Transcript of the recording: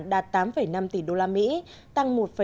đạt tám năm tỷ usd